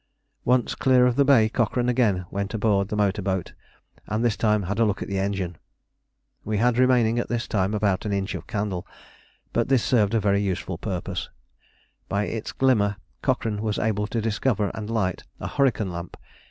Once clear of the bay, Cochrane again went aboard the motor boat and this time had a look at the engine. We had remaining at this time about an inch of candle, but this served a very useful purpose. By its glimmer Cochrane was able to discover and light a hurricane lamp.